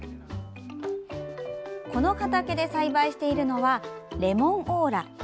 この畑で栽培しているのはレモンオーラ。